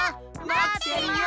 まってるよ！